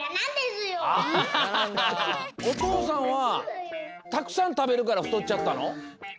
お父さんはたくさんたべるから太っちゃったの？